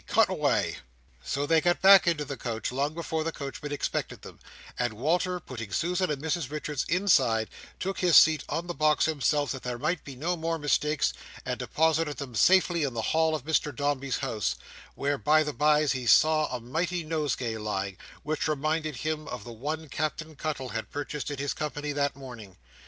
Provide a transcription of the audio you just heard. cut away!" So they got back to the coach, long before the coachman expected them; and Walter, putting Susan and Mrs Richards inside, took his seat on the box himself that there might be no more mistakes, and deposited them safely in the hall of Mr Dombey's house—where, by the bye, he saw a mighty nosegay lying, which reminded him of the one Captain Cuttle had purchased in his company that morning.